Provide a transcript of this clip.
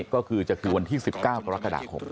ก็คือจะคือวันที่๑๙กรกฎาคม